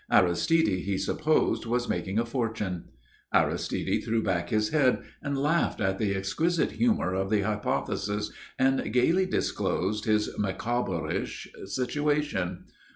Aristide, he supposed, was making a fortune. Aristide threw back his head, and laughed at the exquisite humour of the hypothesis, and gaily disclosed his Micawberish situation.